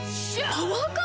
パワーカーブ⁉